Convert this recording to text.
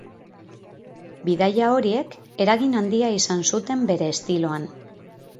Bidaia horiek eragin handia izan zuten bere estiloan.